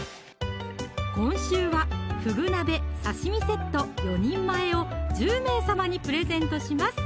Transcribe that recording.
今週はふぐ鍋・刺身セット４人前を１０名様にプレゼントします